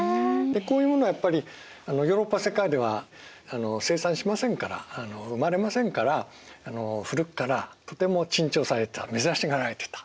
こういうものはやっぱりヨーロッパ世界では生産しませんからあの生まれませんから古くからとても珍重されていた珍しがられていた。